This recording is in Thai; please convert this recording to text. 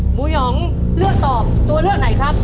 หยองเลือกตอบตัวเลือกไหนครับ